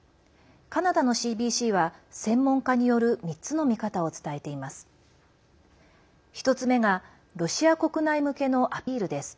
カナダのＣＢＣは専門家による３つの見方を伝えています。